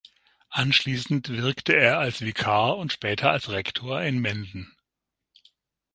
Anschließend wirkte er als Vikar und später als Rektor in Menden.